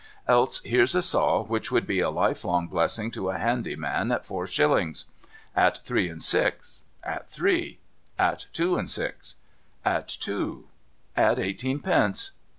Else here's a saw which would be a lifelong blessing to a handy man, at four shillings, at three and six, at three, at two and six, at two, at eighteen pence.